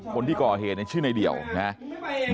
คนที่ก่อเหตุในชื่อในเดี่ยวนะครับ